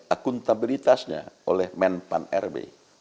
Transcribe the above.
akuntabilitasnya oleh men pan rb